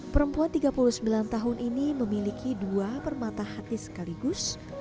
perempuan tiga puluh sembilan tahun ini memiliki dua permata hati sekaligus